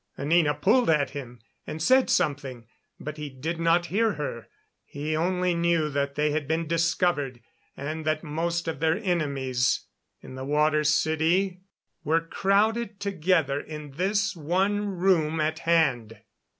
Anina pulled at him and said something, but he did not hear her. He only knew that they had been discovered, and that most of their enemies in the Water City were crowded together in this one room at hand.